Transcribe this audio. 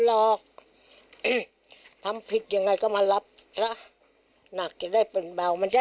หรอกทำผิดยังไงก็มารับแล้วหนักจะได้เป็นแบบมันจะ